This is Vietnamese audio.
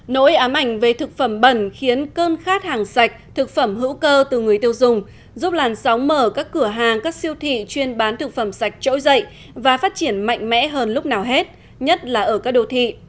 nỗi ám ảnh về thực phẩm bẩn khiến cơn khát hàng sạch thực phẩm hữu cơ từ người tiêu dùng giúp làn sóng mở các cửa hàng các siêu thị chuyên bán thực phẩm sạch trỗi dậy và phát triển mạnh mẽ hơn lúc nào hết nhất là ở các đô thị